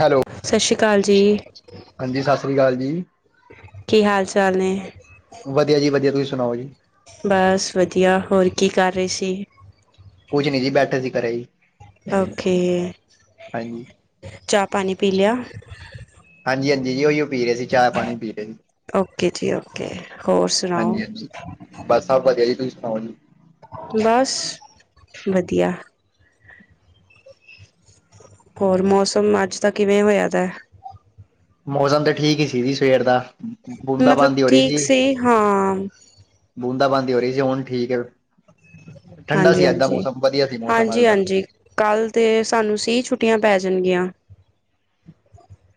Hello ਸਤਿ ਸ਼੍ਰੀ ਅਕਾਲ ਜੀ ਹਾਂਜੀ ਸਤਿ ਸ੍ਰੀ ਅਕਾਲ ਜੀ ਕੀ ਹਾਲ ਚਾਲ ਨੇ ਵਧੀਆ ਜੀ ਵਧੀਆ ਤੁਸੀਂ ਸੁਣਾਓ ਜੀ ਬਸ ਵਧੀਆ ਹੋਰ ਕੀ ਕਰ ਰਹੇ ਸੀ ਕੁਛ ਨੀ ਜੀ ਬੈਠੇ ਸੀ ਘਰੇ ਜੀ ਓਕੇ ਹਾਂਜੀ ਚਾਹ ਪਾਣੀ ਪੀ ਲਿਆ ਹਾਂਜੀ ਹਾਂਜੀ ਉਹੀ ਪੀ ਰਹੇ ਸੀ ਚਾ ਪਾਣੀ ਪੀ ਰਹੇ ਸੀ ਓਕੇ ਜੀ ਓਕੇ ਹੋਰ ਸੁਣਾਓ ਹਾਂਜੀ ਹਾਂਜੀ ਬਸ ਸਬ ਵਧੀਆ ਜੀ ਤੁਸੀ ਸੁਨਾਓ ਬਸ ਵਧੀਆ ਹੋਰ ਮੌਸਮ ਅੱਜ ਦਾ ਕਿਵੇਂ ਹੋਇਆ ਤਾਂ ਮੌਸਮ ਤਾਂ ਠੀਕ ਹੀ ਸੀ ਜ ਸਵੇਰ ਦਾ ਬੂੰਦਾ ਮਤਲਬ ਬਾਂਦੀ ਹੋ ਠੀਕ ਸੀ ਹਾਂ ਬੂੰਦ ਬਣਦੀ ਹੋ ਰਹੀ ਸੀ ਹੁਣ ਠੀਕ ਹੈ ਠੰਡਾ ਹਾਂਜੀ ਸੀ ਅੱਜ ਦਾ ਹਾਂਜੀ ਮੌਸਮ ਵਧੀਆ ਸੀ ਮੌਸਮ ਅੱਜ ਹਾਂਜੀ ਦਾ ਹਾਂਜੀ ਕੱਲ ਤੇ ਸਾਨੂੰ ਸਹੀ ਛੁੱਟੀਆਂ ਪੈ ਜਾਣਗੀਆਂ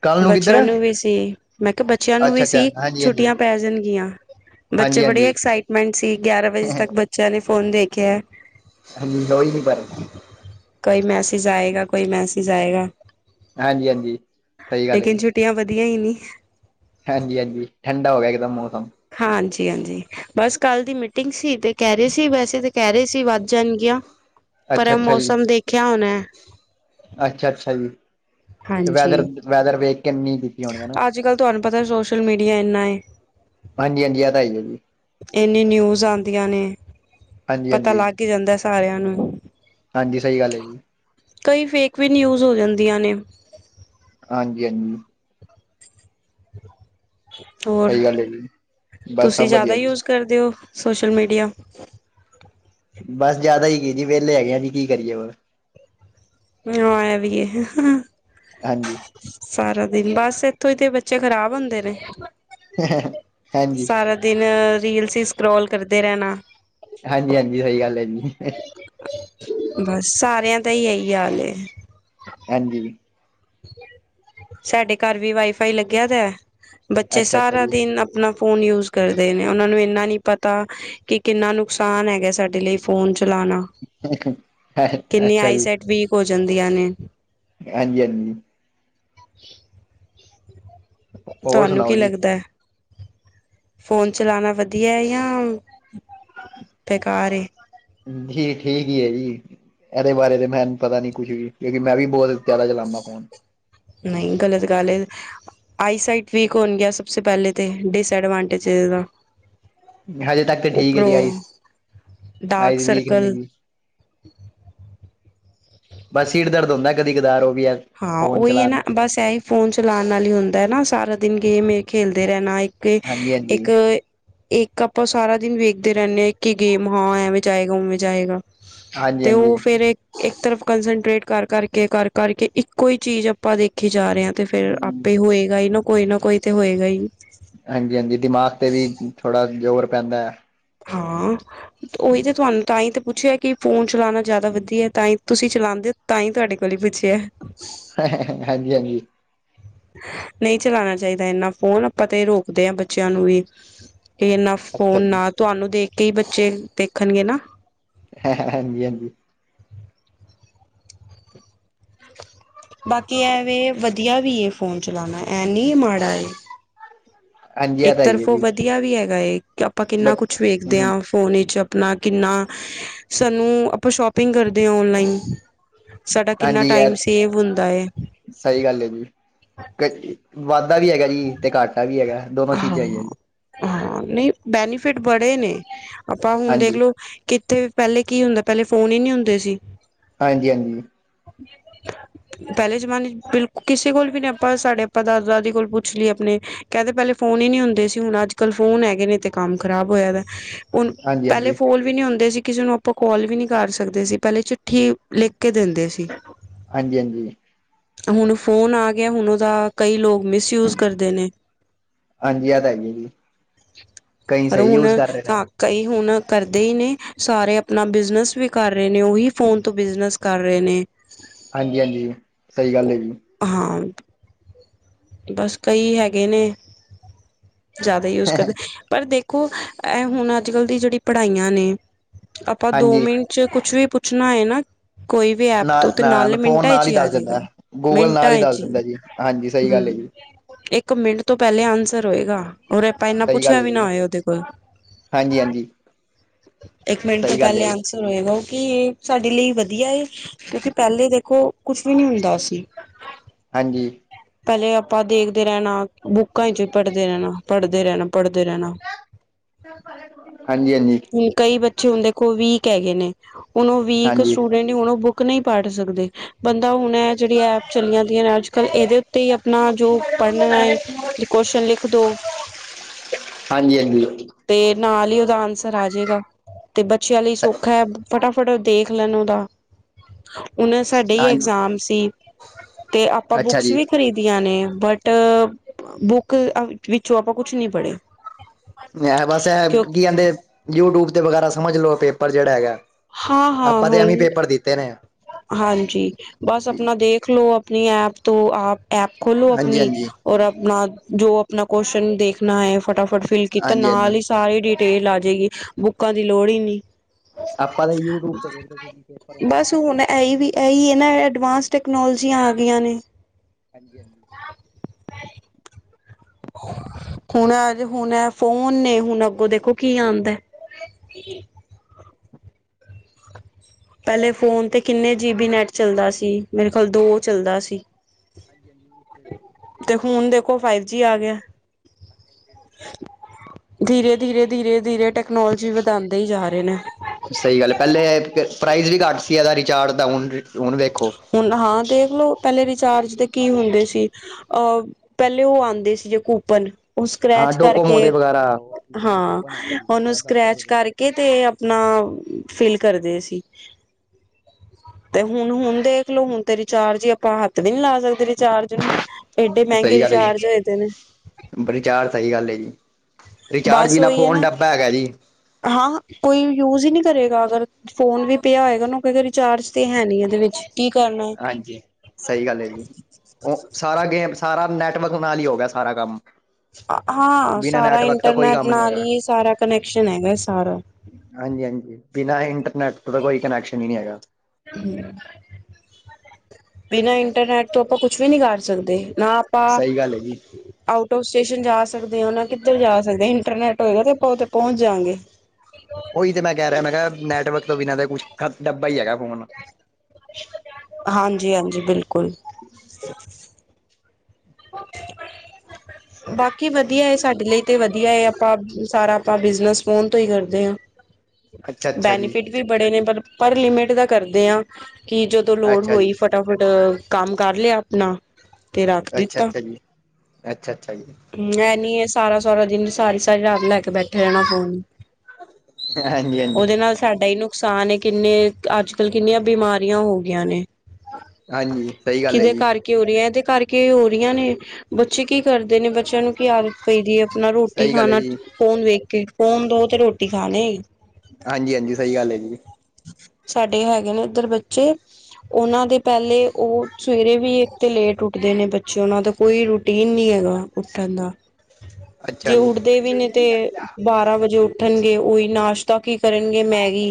ਕੱਲ ਬੱਚਿਆਂ ਕਿੱਧਰ ਨੂੰ ਵੀ ਸੀ ਮੈਂ ਕਿਹਾ ਬੱਚਿਆਂ ਨੂੰ ਅੱਛਾ ਵੀ ਅੱਛਾ ਸੀ ਹਾਂਜੀ ਹਾਂਜੀ ਛੁੱਟੀਆਂ ਪੈ ਜਾਣਗੀਆਂ ਬੱਚੇ ਹਾਂਜੀ ਬੜੀ ਹਾਂਜੀ ਐਕਸਾਈਟਮੈਂਟ ਸੀ ਗਿਆਰਾਂ ਵਜੇ ਤੱਕ ਬੱਚਿਆਂ ਨੇ ਫੋਨ ਦੇਖਿਆ ਹੈ ਹੋ ਹੀ ਨੀ ਪਰਾਰੇ ਕੋਈ ਮੈਸੇਜ ਆਏਗਾ ਕੋਈ ਮੈਸੇਜ ਆਏਗਾ ਹਾਂਜੀ ਹਾਂਜੀ ਸਹੀ ਗੱਲ ਹੈ ਜੀ [unintelligible] ਵਧੀਆ ਹੀ ਨੀ ਹਾਂਜੀ ਹਾਂਜੀ ਠੰਡਾ ਹੋ ਗਿਆ ਇੱਕਦਮ ਮੌਸਮ ਹਾਂਜੀ ਹਾਂਜੀ ਬਸ ਕੱਲ ਦੀ ਮੀਟਿੰਗ ਸੀ ਤੇ ਕਹਿ ਰਹੇ ਸੀ ਵੈਸੇ ਤਾਂ ਕਹਿ ਰਹੇ ਸੀ ਵੱਧ ਜਣਗੀਆਂ ਅੱਛਾ ਪਰ ਅੱਛਾ ਜੀ ਮੌਸਮ ਦੇਖਿਆ ਹੋੁਨ ਅੱਛਾ ਅੱਛਾ ਜੀ ਤੇ ਹਾਂਜੀ ਵੈਦਰ ਵੈਦਰ ਵੇਖ ਕਿੰਨੀ ਦਿੱਤੀ ਹੋਣੀ ਹਨਾ ਅੱਜ ਕੱਲ੍ਹ ਤੁਹਾਨੂੰ ਪਤਾ ਸੋਸ਼ਲ ਮੀਡੀਆ ਇੰਨਾ ਹੈ ਹਾਂਜੀ ਹਾਂਜੀ ਆ ਤਾਂ ਆਈ ਹੈ ਜੀ ਇੰਨੀੇ ਨਿਊਜ਼ ਆਉਂਦੀਆਂ ਨੇ ਹਾਂਜੀ ਪਤਾ ਹਾਂਜੀ ਲੱਗ ਜਾਂਦਾ ਸਾਰਿਆਂ ਨੂੰ ਹਾਂਜੀ ਸਹੀ ਗੱਲ ਹੈ ਕਈ ਫੇਕ ਵੀ ਨਿਊਜ਼ ਹੋ ਜਾਂਦੀਆਂ ਨੇ ਹਾਂਜੀ ਹਾਂਜੀ ਹੋਰ ਸਹੀ ਗੱਲ ਹੈ ਜੀ ਬਸ ਸਭ ਤੁਸੀਂ ਜ਼ਿਆਦਾ ਵਧੀਆ ਜੀ ਯੂਜ ਕਰਦੇ ਹੋ ਸੋਸ਼ਲ ਮੀਡੀਆ ਬਸ ਜਿਆਦਾ ਹੀ ਕੀ ਜੀ ਵਿਹਲੇ ਹੈਗੇ ਆ ਜੀ ਕੀ ਕਰੀਏ ਪਰ ਹਾ ਇਹ ਵੀ ਹੈ ਹਾਂਜੀ ਸਾਰਾ ਦਿਨ ਬਸ ਇੱਥੋਂ ਹੀ ਤੇ ਬੱਚੇ ਖ਼ਰਾਬ ਹੁੰਦੇ ਨੇ ਹਾਂਜੀ ਸਾਰਾ ਦਿਨ ਰੀਲਸ ਹੀ ਸਕਰੋਲ ਕਰਦੇ ਰਹਿਣਾ ਹਾਂਜੀ ਹਾਂਜੀ ਉਹੀ ਗੱਲ ਹੈ ਜੀ ਬਸ ਸਾਰਿਆਂ ਦਾ ਹੀ ਇਹੀ ਹਾਲ ਹਾਂਜੀ ਸਾਡੇ ਘਰ ਵੀ ਵਾਈਫਾਈ ਲੱਗਿਆ ਦਾ ਬੱਚੇ ਅੱਛਾ ਅੱਛਾ ਸਾਰਾ ਜੀ ਦਿਨ ਲੋਕ ਫੋਨ ਯੂਜ਼ ਕਰਦੇ ਨੇ, ਓਨਾਂ ਨੂੰ ਏਨਾ ਨੀ ਪਤਾ ਕਿ ਕਿੰਨਾ ਨੁਕਸਾਨ ਹੈਗੈ, ਸਾਡੇ ਲਈ ਫੋਨ ਚਲਾਨਾ। ਕਿੰਨੀਆ ਅੱਛਾ ਜੀ ਆਈਸੈਟ ਵੀਕ ਹੋ ਜਾਂਦੀਆਂ ਨੇ। ਹਾਂਜੀ ਹਾਂਜੀ [unintelligible] ਹੋਰ ਤੁਹਾਨੂੰ ਸੁਣਾਓ ਕੀ ਜੀ ਲੱਗਦਾ ਹੈ ਫੋਨ ਚਲਾਉਣਾ ਵਧੀਆ ਹੈ ਜਾਂ ਬੇਕਾਰ ਜੀ ਠੀਕ ਹੀ ਹੈ ਜੀ ਇਹਦੇ ਬਾਰੇ ਤੇ ਮੈਂੂੰ ਪਤਾ ਨੀ ਕੁੱਝ ਵੀ ਕਿਉਂਕਿ ਮੈਂ ਵੀ ਬਹੁਤ ਜ਼ਿਆਦਾ ਚਲਾਉਦਾ ਫੋਨ ਨਹੀਂ ਗਲਤ ਗੱਲ ਹੈ ਆਈਸਾਈਟ ਵੀਕ ਹੋਣ ਗਿਆ ਸਭ ਤੋਂ ਪਹਿਲੇ ਤਾਂ ਡਿਸਐਡਵਾਂਟੇਜ ਦਾ ਹਜੇ ਤੱਕ ਤੇ ਠੀਕ ਹੈ ਜੀ ਉਪਰੋਂ ਆਈਸ ਡਾਰਕ ਆਈਸ ਵੀਕ ਨੀ ਸਰਰਕਲ ਹੈਗੀ ਬਸ ਸੀਰ ਦਰਦ ਹੁੰਦੈ ਕਦੀ ਕਦਾਰੋ। ਹਾ, ਓਈ ਏ ਨਾ ਬਸ ਐ ਫੋਨ ਚਲਾਨ ਨਾਲ ਈ ਹੁੰਦਾ ਐ ਨਾ, ਸਾਰਾ ਦਿਨ ਗੇਮ ਏ ਖੇਲਦੇ ਰੈਨਾ ਏਕ, ਹਾਂਜੀ ਹਾਂਜੀ ਏਕ ਇੱਕ ਆਪਾਂ ਸਾਰਾ ਦਿਨ ਵੇਖਦੇ ਰੈਨੇ ਆ, ਇਕੀ ਗੇਮ ਹਾਂ, ਐਵੇਂ ਜਾਏਗਾ ਓਵੇਂ ਜਾਏਗਾ ਹਾਂਜੀ ਤੇ ਓ ਹਾਂਜੀ ਫੇਰ ਏਕ, ਏਕ ਤਰਫ ਕੰਸਟ੍ਰੇਟ ਕਰ ਕਰਕੇ, ਕਰ ਕਰਕੇ ਇੱਕੋ ਈ ਚੀਜ ਅ ਆਪਾਂ ਦੇਖੀ ਜਾ ਰੇ ਆਂ, ਤੇ ਫੇਰ ਆਪੇ ਹੋਏਗਾ ਈ ਨਾ ਕੋਈ ਨਾ ਕੋਈ ਤੇ ਹੋਏਗਾ ਈ। ਹਾਂਜੀ, ਹਾਂਜੀ ਦਿਮਾਗ ਤੇ ਵੀ, ਥੋੜਾ ਜੋਰ ਪੈਂਦੈ। ਹਾਂ ਓਈ ਤੇ ਤੁਹਾਨ ਤਾਂ ਈ ਤੇ ਪੁੱਛੇਆ, ਕਿ ਫੋਨ ਚਲਾਨਾ ਜਾਦਾ ਵਦੀਐ ਤਾਂਈ ਤੁਸੀਂ ਚਲਾਂਦੇ ਓ? ਤਾਂਈ ਤੁਹਾਡੇ ਕੋਲੇ ਈ ਪੁੱਛੇਐ। ਹਾਂਜੀ, ਹਾਂਜੀ। ਨਈ ਚਲਾਨਾ ਚਾਈਦਾ ਏਂਨਾ ਫੋਨ, ਆਪਾਂ ਤੇ ਰੋਕਦੇ ਆਂ ਬੱਚੇਆਂ ਨੂੰ ਵੀ। ਤੇ ਏਨਾ ਫੋਨ ਅੱਛਾ ਜੀ ਨਾ ਤੂਆਨੂ ਦੇਖ ਕੇ ਈ ਬੱਚੇ, ਦੇਖਨਗੇ ਨਾ। ਹਾਂਜੀ, ਹਾਂਜੀ। ਬਾਕੀ ਐਵੇ, ਵਦੀਆ ਵੀ ਏ ਫੋਨ ਚਲਾਨਾ ਐਂ ਨੀ ਏ ਮਾੜਾ ਏ। ਹਾਂਜੀ ਇਹ ਇੱਕ ਤਾਂ ਹੀ ਹੈ ਤਰਫੋ ਜੀ ਵਦੀਆ ਵੀ ਹੈਗਾ ਏ, ਆਪਾਂ ਕਿੰਨਾ ਬਟ ਕੁਛ ਵੇਖਦੇ ਹਮ ਆਂ। ਫੋਨ ਈਚ ਅਪਨਾ ਕਿੰਨਾ, ਸਾਨੂੰ ਆਪਾਂ ਸ਼ੋਪਿੰਗ ਕਰਦੇ ਆਂ ਓਨਲਾਈਨ ਸਾਡਾ ਕਿੰਨਾ ਟਾਈਮ ਸੇਵ ਹੁੰਦਾ ਏ। ਸਈ ਗੱਲ ਏ ਜੀ, ਕ ਵਾਦਾ ਵੀ ਹੈਗੈ ਜੀ ਤੇ ਘਾਟਾ ਵੀ ਹੈਗੈ। ਹਾਂ, ਹਾਂ ਨਈ ਬੈਨੀਫਿਟ ਬੜੇ ਨੇ ਆਪਾਂ ਹੁਨ ਹਾਂਜੀ ਦੇਖਲੋ, ਕਿੱਥੇ ਪੈਲੇ ਕੀ ਹੁੰਦਾ ਪੈਲੇ ਫੋਨ ਈ ਨੀ ਹੁੰਦੇ ਸੀ। ਹਾਂਜੀ, ਹਾਂਜੀ। [unintelligible] ਪੈਲੇ ਜਮਾਨੇ ਚ ਬਿਲਕ, ਕਿਸੇ ਕੋਲ ਵੀ ਨੀ ਆਪਾਂ ਸਾਡੇ ਆਪਾਂ ਦਾਦਾ-ਦਾਦੀ ਕੋਲ ਪੁੱਛ ਲੀਏ ਅਪਨੇ ਕੈਂਦੇ ਪੈਲੇ ਫੋਨ ਈ ਨੀ ਹੁੰਦੇ ਸੀ, ਹੁਣ ਅੱਜ-ਕੱਲ ਫੋਨ ਹੈਗੇ ਨੇ ਤੇ ਕੰਮ ਖਰਾਬ ਹੋਏਆ ਦਾ [unintelligible] ਹਾਂਜੀ ਪੈਲੇ ਹਾਂਜੀ ਫੋਨ ਵੀ ਨਈ ਹੁੰਦੇ ਸੀ, ਕਿਸੇ ਨੂੰ ਆਪਾਂ ਕੌਲ ਵੀ ਨੀ ਕਾਰ ਸਕਦੇ ਸੀ, ਪੈਲੇ ਚਿੱਠੀ ਲਿਖ ਕੇ ਦੇਂਦੇ ਸੀ। ਹਾਂਜੀ, ਹਾਂਜੀ। ਹੁਣ ਫੋਨ ਆ ਗੇਆ, ਹੁਨ ਓਦਾ ਕਈ ਲੋਕ ਮਿਸਯੂਜ ਕਰਦੇ ਨੇ। ਹਾਂਜੀ ਐ ਤਾ ਹੈਗੀ ਏ ਜੀ, ਕਈਂ ਪਰ ਸਈ ਹੁਣ ਯੂਜ਼ ਕਰ ਰਏ ਨੇ ਹਾਂ ਕਈ ਹੁਨ ਕਰਦੇ ਈ ਨੇ, ਸਾਰੇ ਆਪਨਾ ਬਿਜ਼ਨਸ ਵੀ ਕਰ ਰਏ ਨੇ ਓਹੀ ਫੋਨ ਤੋਂ ਬਿਜ਼ਨਸ ਕਰ ਰਏ ਨੇ। [unintelligible] ਹਾਂਜੀ, ਹਾਂਜੀ ਸਈ ਗੱਲ ਏ ਜੀ। ਹਾਂ। ਬਸ ਕਈ ਹੈਗੇ ਨੇ ਜੇਆਦਾ ਈ ਯੂਜ਼ ਕਰਦੇ, ਪਰ ਦੇਖੋ ਐ ਹੁਨ ਅੱਜ-ਕੱਲ ਦੀ ਜੇੜੀ ਪੜ੍ਹਾਈਆਂ ਨੇ ਆਪਾਂ ਦੋ ਹਾਂਜੀ ਮਿੰਟ ਚ ਕੁਛ ਵੀ ਪੁੱਛਨਾ ਹੋਏ ਨਾ ਕੋਈ ਵੀ ਐਪ ਨਾ, ਤੋਂ ਤੇ ਨਾ ਨਾਲੇ ਫੋਨ ਮਿੰਟਾਂ ਵਿੱਚ ਨਾਲੀ਼ ਹੀ ਆ ਦੱਸ ਜਾਏਗਾ ਦਿੰਦਾ, ਗੂਗਲ਼ ਨਾਲ਼ ਮਿੰਟਾਂ ਈ ਦੱਸ ਦਿੰਦਾ ਜੀ। ਹਾਂਜੀ, ਸਈ ਗੱਲ ਐ ਜੀ। ਏਕ ਮਿੰਟ ਤੋਂ ਪੈਲੇ ਆਂਸਰ ਹੋਏਗਾ ਤਾ ਏਨਾ ਸਹੀ ਗੱਲ ਪੁਛੇਆ ਹੈ ਵੀ ਨਾ ਜੀ ਹੋਏ ਓਦੇ ਕੋਲ। ਹਾਂਜੀ ਹਾਂਜੀ ਏਕ ਮੇਂਟ ਤੋਂ ਸਹੀ ਗੱਲ ਹੈ ਪੈਲੇ ਜੀ ਆਂਸਰ ਹੋਏਗਾ, ਕੀ ਏ ਸਾਡੇ ਲਈ ਵਦੀਆ ਏ? ਕਿਊਕੀ ਪੈਲੇ ਦੇਖੋ, ਕੁਛ ਵੀ ਨੀ ਹੁੰਦਾ ਸੀ। ਹਾਂਜੀ। ਪੈਲੇ ਆਪਾ ਦੇਖਦੇ ਰੈਨਾ, ਬੁੱਕਾਂ ਈਚੋ ਪੜਦੇ ਰੈਨਾ ਪੜਦੇ ਰੈਨਾ ਪੜਦੇ ਰੈਨਾ, ਹਾਂਜੀ ਹਾਂਜੀ ਹੁਨ ਕਈ ਬੱ ਵੀਕ ਹੈਗੇ ਨੇ, ਹੁਨ ਓ ਵੀਕ ਹਾਂਜੀ ਸੂਟੂੜਂਟ ਹੁਣ ਓ ਬੁੱਕ ਨਈ ਪੜ ਸਕਦੇ। ਬੰਦਾ ਹੁਨ ਐ ਜੇੜੀ ਐਪ ਚਲੀਯਾ ਦੀਆਂ ਨੇ ਅੱਜ-ਕੱਲ, ਏਦੇ ਤੇ ਈ ਅਪਣਾ ਜੋ ਪਡਨਾ ਏ ਜੀ ਕੋਸ਼ਨ ਲਿਖ ਦੋ ਹਾਂਜੀ, ਹਾਂਜੀ। ਤੇ ਨਾਲ ਈ ਓਦਾ ਆਂਸਰ ਆ ਜੇਗਾ, ਤੇ ਬੱਚੇਆਂ ਲਈ ਸੌਖਾ ਐ ਫਟਾਫਟ ਦੇਖ ਲੈਨ ਓਦਾ ਹੂਨ ਸਾਡੇ ਈ ਹਾਂਜੀ ਐਗਜਾ਼ਮ ਸੀ, ਤੇ ਆਪਾਂ ਅੱਛਾ ਬੁੱਕਸ ਜੀ ਵੀ ਖਰੀਦ ਦੀਆਂ ਨੇ ਬਟ, ਬ ਬੁੱਕ ਵਿੱਚੋਂ ਆਪਾਂ ਕੁਛ ਨੀ ਪੜ੍ਹੇਯਾ। ਬਸ ਇਹ ਕੀ ਕਹਿੰਦੇ ਯੂਟਿਊਬ ਤੇ ਵਗ਼ੈਰਾ ਸਮਝ ਲੋਓ ਪੇਪਰ ਜਿਹੜਾ ਹੈਗਾ ਹਾਂ, ਹਾਂ, ਆਪਾਂ ਤੇ ਐਵੇਂ ਪੇਪਰ ਦਿੱਤੇ ਨੇ ਹਾਂ, ਹਾਂਜੀ ਬਸ ਹਾਂਜੀ ਅਪਨਾ ਦੇਖ ਲੋ [unintelligible] ਹਾਂਜੀ ਨਾ ਏ ਫਟਾਫਟ ਫਿਲ ਕੀਤਾ ਹਾਂਜੀ ਨਾਲ ਹਾਂਜੀ ਈ, ਸਾਰੀ ਡਿਟੇਲ ਆ ਜੇਗੀ ਬੁੱਕਾਂ ਦੀ ਲੋੜ ਈ ਨੀ। ਆਪਾਂ ਤਾਂ ਯੂਟਿਊਬ ਤੇ ਦੇਖਦੇ ਸੀ ਕੀ ਪੇਪਰ ਹੁੰਦੈ ਏਈ ਐ ਨਾ ਐਡਵਾਂਸ ਟੈਕਨੋਲਜੀਆਂ ਆ ਗੀਆਂ ਨੇ। ਹਾਂਜੀ, ਹਾਂਜੀ। ਹੁਣ ਅੱਜ ਹੁਨ ਐ ਫੋਨ ਨੇ ਹੁਨ ਅੱਗੋਂ ਦੇਖੋ ਕੀ ਆਂਦੈ। [unintelligible] ਪੈਲੇ ਫੋਨ ਤੇ ਕਿੰਨੇ ਜੀਬੀ ਨੈਟ ਚੱਲਦਾ ਸੀ, ਮੇਰੇ ਖਾਲ ਦੋ ਚੱਲਦਾ ਸੀ। ਤੇ ਹੁਣ ਦੇਖੋ [unintelligible] ਫਾਈਵ ਜੀ ਆ ਗਿਆ [unintelligible] ਧੀਰੇ, ਧੀਰੇ, ਧੀਰੇ, ਧੀਰੇ ਟੈਕਨੋਲਜੀ ਵਧਾਦੇਂ ਈ ਜਾ ਰੇ ਨੇ। ਸਈ ਗੱਲ ਏ, ਪੈਲੇ ਐ ਪ੍ਰਾਈਜ਼ ਵੀ ਘਾੱਟ ਸੀ ਏਦਾ ਰਿਚਾਰਜ ਦਾ ਹੁਨ, ਹੁਣ ਵੇਖੋ। ਹੁਨ ਹਾਂ ਦੇਖਲੋ ਪੈਲੇ ਰਿਚਾਰਜ ਦੇ ਕੀ ਹੁੰਦੇ ਸੀ। ਅ, ਪੈਲੇ ਓ ਆਂਦੇ ਸੀ ਜੇ ਕੂਪਨ ਓ ਹਾਂ ਸਕ੍ਰੈਚ ਡੋਕੋਮੋ ਦੇ ਕਰਕੇ, ਵਗੈਰਾ ਹੋਰ ਚੀਜ਼ਾਂ ਦੇ ਹਾਂ ਕੂਪਨ ਆਉਂਦੇ ਸੀ ਓਨੂੰ ਦਸ ਦਸ ਰੁਪਏ ਸਕ੍ਰੈਚ ਕਰ ਦੇ ਕੇ ਤੇ ਅਪਨਾ ਫੀਲ ਕਰਦੇ ਸੀ, ਤੇ ਹੁਨ, ਹੁਨ ਦੇਖਲੋ ਹੁਨ ਤੇ ਰਿਚਾਰਜ ਈ, ਆਪਾਂ ਹਾੱਥ ਵੀ ਨੀ ਲਾ ਸਕਦੇ ਰਿਚਾਰਜ ਨੂੰ ਏਡੇ ਮੈਂਗੇ ਰਿਚਾਰਜ ਹੋਏ ਦੇ ਨੇ। ਬੜੀ ਚਾਰ ਸਈ ਗੱਲ ਏ ਜੀ। ਰਿਚਾਰਜ ਬਸ ਬਿਨਾਂ ਓਈ ਐ ਫੋਨ ਨਾ, ਡੱਬਾ ਹੈਗਾ ਜੀ ਹਾਂ ਕੋਈ ਯੂਜ਼ ਈ ਨਈ ਕਰੇਗਾ ਅਗਰ ਫੋਨ ਵੀ ਪੇਆ ਹੋਏਗਾ ਨਾਂ, ਕਏਗੇ ਰਿਚਾਰਜ ਤੇ ਹੈ ਨੀ ਏਦੇ ਵਿੱਚ। ਕੀ ਕਾਰਨਾ। ਹਾਂਜੀ। ਸਈ ਗੱਲ ਐ ਜੀ, ਓ ਸਾਰਾ ਗੇਮ ਸਾਰਾ ਨੈਟਵਕ ਨਾਲ ਈ ਹੋ ਗੇਆ ਸਾਰਾ ਕਾੰਮ। ਅ ਹਾਂ, ਸਾਰਾ ਕੋਈ ਇੰਟਰਨੈਟ ਕੰਮ ਨੀ ਨਾਲ ਹੈਗਾ ਈ ਸਾਰਾ ਕਨੈਕਸ਼ਨ਼ ਹੈਗੈ ਸਾਰਾ। ਹਾਂਜੀ, ਹਾਂਜੀ ਬਿਨਾਂ ਇੰਟਰਨੈਟ ਤੋ ਤਾ ਕੋਈ ਕਨੈਕਸ਼ਨ ਈ ਨਈ ਹੈਗਾ। ਹੂੰ। [unintelligible] ਬਿਨਾਂ ਇੰਟਰਨੈਟ ਤੋਂ, ਆਪਾਂ ਕੁਛ ਵੀ ਨੀ ਕਾਰ ਸਕਦੇ ਨਾ ਆਪਾਂ ਸਈ ਗੱਲ ਐ ਜੀ। ਆਊਟ ਆਫ ਸਟੇਸ਼ਨ ਜਾ ਸਕਦੇ ਹ ਉਹ ਕਿੱਧਰ ਜਾ ਸਕਦੇ ਇੰਟਰਨੈਟ ਹੋਏਗਾ ਤੇ ਆਪਾਂ ਉੱਥੇ ਪਹੁੰਚ ਜਾਗੇ ਉਹੀ ਤੇ ਮੈਂ ਕਹਿ ਰਿਹਾ ਮੈਂ ਕਿਹਾ ਨੈਟਵਰਕ ਤੋਂ ਬਿਨਾਂ ਤੇ ਕੁਛ ਡੱਬਾ ਹੀ ਹੈਗਾ ਫੋਨ ਹਾਂਜੀ ਹਾਂਜੀ ਬਿਲਕੁਲ ਬਾਕੀ ਵਧੀਆ ਸਾਡੇ ਲਈ ਤੇ ਵਧੀਆ ਹੈ ਆਪਾਂ ਸਾਰਾ ਆਪਾਂ ਬਿਜਨਸ ਫੋਨ ਤੋਂ ਹੀ ਕਰਦੇ ਹਾਂ, ਅੱਛਾ ਅੱਛਾ ਜੀ ਬੈਨੀਫਿਟ ਵੀ ਬੜੇ ਨੇ ਪਰ, ਪਰ ਲਿਮਿਟ ਦਾ ਕਰਦੇ ਆਂ, ਕਿ ਜਦੋ ਲੋੜ ਅੱਛਾ ਹੋਈ ਜੀ ਫ ਫਟਾਫਟ ਕੰਮ ਕਾਰ ਲੇਆ ਆਪਨਾ। ਅੱਛਾ ਅੱਛਾ ਜੀ, ਅੱਛਾ ਅੱਛਾ ਜੀ। ਐ ਨੀ ਐ ਸਾਰਾ, ਸਾਰਾ ਦਿਨ ਸਾਰੀ, ਸਾਰੀ ਰਾਤ ਲੈ ਬੈਠੇ ਰੈਣਾ ਫੋਨ, ਹਾਂਜੀ ਹਾਂਜੀ ਓਦੇ ਨਾਲ ਸਾਡਾ ਈ ਨੂੰ ਨੁਕਸਾਨ ਕਿੰਨੇ, ਅੱਜ-ਕੱਲ ਕਿੰਨੀਆਂ ਬਿਮਾਰੀਆਂ ਹੋ ਗਈਆਂ ਨੇ। ਹਾਂਜੀ, ਸਈ ਗੱਲ ਐ ਜੀ। ਘੇਰੇ ਐਦੇ ਕਾਰਕੇ ਈ ਹੋ ਰਈਆਂ ਨੇ, ਬੱਚੇ ਕੀ ਕਰਦੇ ਨੇ ਬੱਚੇਆਂ ਨੂੰ ਕੀ ਆਦਤ ਪਈ ਦੀ ਏ। ਮੈ ਰੋਟੀ ਸਹੀ ਗੱਲ ਹੈ ਖਾਨਾ ਜੀ ਫੋਨ ਵੇਖ ਕੇ, ਫੋਨ ਦੋ ਤੇ ਰੋਟੀ ਖਾਨਾ ਈ। ਹਾਂਜੀ, ਹਾਂਜੀ ਸਈ ਗੱਲ ਐ ਜੀ। ਸਾਡੇ ਹੈਗੇ ਨੇ ਏਦਰ ਬੱਚੇ, ਓਨਾਂ ਦੇ ਪੈਲੇ ਓ ਸਵੇਰੇ ਵੀ ਇੱਕ ਤੇ ਲੇਟ ਉੱਠਦੇ ਨੇ, ਬੱਚੇ ਉਹਨਾਂ ਦਾ ਕੋਈ ਰੂਟੀਨ ਨ ਹੈਗਾ ਉੱਠਣ ਦਾ ਅੱਛਾ ਜੇ ਜੀ ਉੱਠਦੇ ਵੀ ਨੇ ਤੇ ਬਾਰਾਂ ਵਜੇ ਉੱਠਣਗੇ ਉਹੀ ਨਾਸ਼ਟ ਤਾਂ ਕੀ ਕਰਨਗੇ ਮੈਗੀ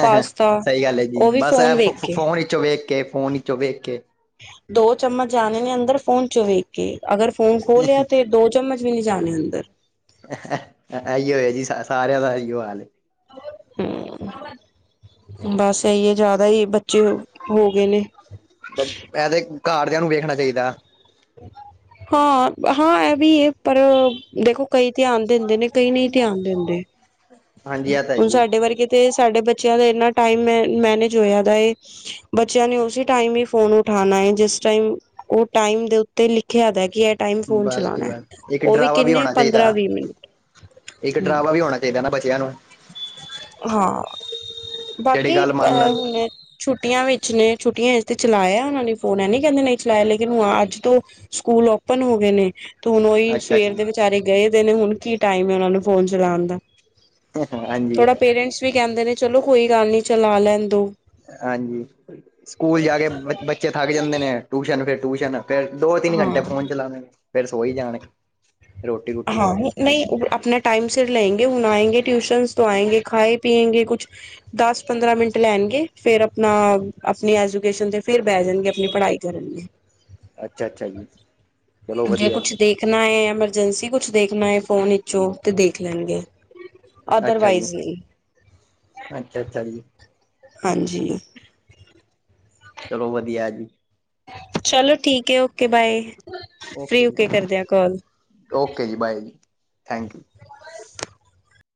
ਪਾਸਤਾ ਸਹੀ ਗੱਲ ਹੈ ਜੀ ਉਹ ਵੀ ਬਸ ਐ ਫੋਨ ਵੇਖ ਕੇ ਫੋਨ ਵਿਚੋਂ ਵੇਖ ਕੇ ਫੋਨ ਵਿਚੋਂ ਵੇਖ ਕੇ ਦੋ ਚਮਚ ਜਾਣੇ ਨੇ ਅੰਦਰ ਫੋਨ ਚ ਵੇਖ ਕੇ ਅਗਰ ਫੋਨ ਖੋਲ ਲਿਆ ਤੇ ਦੋ ਚਮਚ ਵੀ ਨਹੀਂ ਜਾਣੇ ਅੰਦਰ ਇਹੀ ਹੋਇਆ ਜੀ ਸਾਰਿਆਂ ਦਾ ਇਹੀਓ ਹਾਲ [inaudible] ਬਸ ਇਹੀਏ ਜ਼ਿਆਦਾ ਹੀ ਬੱਚੇ ਹੋ ਗਏ ਨੇ ਇਹਦੇ ਘਰਦਿਆਂ ਨੂੰ ਵੇਖਣਾ ਚਾਹੀਦਾ ਹਾਂ ਹਾਂ ਇਹ ਵੀਏ ਪਰ ਦੇਖੋ ਕਈ ਧਿਆਨ ਦਿੰਦੇ ਨੇ ਕਈ ਨਹੀਂ, ਧਿਆਨ ਦਿੰਦੇ ਹਾਂਜੀ ਇਹ ਤਾਂ ਹੈ ਹੁਣ ਹੀ ਹੈ ਸਾਡੇ ਵਰ ਗਏ ਤੇ ਸਾਡੇ ਬੱਚਿਆਂ ਦਾ ਇਨਾ ਟਾਈਮ ਮ ਮੈਨੇਜ ਹੋਇਆ ਦਾ ਬੱਚਿਆਂ ਨੇ ਉਸ ਟਾਈਮ ਹੀ ਫੋਨ ਉਠਾਣਾ ਹੈ ਜਿਸ ਟਾਈਮ ਉਹ ਟਾਈਮ ਦੇ ਤੇ ਲਿਖਿਆਦਾ ਕਿ ਟਾਈਮ ਫੋਨ ਬਸ ਜੀ ਚਲਾਣਾ ਬਸ ਇੱਕ ਉਹ ਵੀ ਡਰਾਵਾ ਕਿੰਨੇ ਹੋਣਾ ਚਾਹੀਦਾ ਪੰਦਰਦਰਾਂ ਵੀਹ ਮਿੰਟ ਹ ਬਚਿਆਂ ਨੂੰ ਹਾਂ ਜਿਹੜੀ ਬਾਕੀ ਗੱਲ ਮੰਨ ਲੈਣ ਅਹ ਛੁੱਟੀਆਂ ਵਿੱਚ ਨੇ ਛੁੱਟੀਆਂ ਵਿੱਚ ਤੇ ਚਲਾਇਆ ਉਹਨਾਂ ਨੇ ਫੋਨ ਨ ਕਹਿੰਦੇ ਨਹੀਂ ਚਲਾਇਆ ਲੇਕਿਨ ਹੁ ਅੱਜ ਤੋਂ ਸਕੂਲ ਓਪਨ ਹੋ ਗਏ ਨੇ ਤੇ ਹੁਣ ਉਹੀ ਅੱਛਾ ਸਵੇਰ ਜੀ ਦੇ ਵਿਚਾਰੇ ਗਏ ਦੇ ਨੇ ਹੁਣ ਕੀ ਟਾਈਮ ਹੈ ਉਹਨਾਂ ਨੂੰ ਫ਼ੋਨ ਚਲਾਉਣ ਦਾ ਹਾਂਜੀ ਥੋੜਾ ਪੇਰੈਂਟਸ ਵੀ ਕਹਿੰਦੇ ਨੇ ਚਲੋ ਕੋਈ ਗੱਲ ਨੀ ਚਲਾ ਲੈਣ ਦੋ ਹਾਂਜੀ ਸਕੂਲ ਜਾ ਕੇ ਬੱਚੇ ਥੱਕ ਜਾਂਦੇ ਨੇ ਟਿਊਸ਼ਨ ਫਿਰ ਟਊਸ਼ਨ ਫੇਰ ਦੋ ਤਿੰਨ ਹਾਂ ਘੰਟੇ ਫੋਨ ਚਲਾਉਣੇ ਫੇ ਸੋਈ ਜਾਣੇ ਰੋਟੀ ਰੂਟੀ ਹਾਂ ਖਾ ਕੇ ਨਹੀਂ ਆਪਣਾ ਟਾਈਮ ਸਿਰ ਲੈਂਂਗੇੇ ਹੁਨ ਆਇਨਗੇੇ ਟੀਊਸ਼ਨਸ ਤੋਂ ਆਂਗੇੇ ਖਾਏ ਪੀਂਗੇ ਕੁਛ ਦਸ ਪੰਦਰਾਂ ਮਿੰਟ ਲੈਣਗੇ ਫਿਰ ਆਪਣਾ ਆਪਣੀ ਐਜੂਕੇਸ਼ਨ ਤੇ ਫਿਰ ਬਹਿ ਜਾਣਗੇ ਆਪਣੀ ਪੜ੍ਹਾਈ ਕਰਨ ਲਈ ਅੱਛਾ ਅੱਛਾ ਜੀ ਚਲੋ ਜੇ ਵਧੀਆ ਕੁਛ ਜੀ ਦੇਖਣਾ ਹੈ ਐਮਰਜੈਂਸੀ ਕੁਛ ਦੇਖਣਾ ਹੈ, ਫੋਨ ਵਿਚੋਂ ਤੇ ਦੇਖ ਲੈਣਗੇ ਅੱਛਾ ਜੀ ਅਦਰਵਾਈਜ਼ ਲਈ ਅੱਛਾ ਅੱਛਾ ਜੀ ਹਾਂਜੀ ਚਲੋ ਵਧੀਆ ਜੀ, ਚਲੋ ਠੀਕ ਹੈ ਓਕੇ ਬਾਏ ਫ੍ਰਰੀ ਓਕੇ ਕਰਦਿਆਂ ਕਾਲ ਓਕੇ ਜੀ ਬਾਏ ਜੀ ਥੈਂਕ ਯੂ